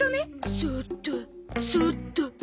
そーっとそーっと。